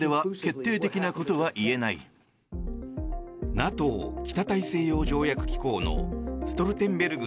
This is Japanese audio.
ＮＡＴＯ・北大西洋条約機構のストルテンベルグ